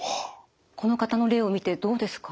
この方の例を見てどうですか？